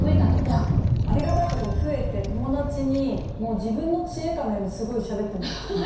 いやありがたいことに増えて友達に自分の知恵かのようにすごいしゃべってます。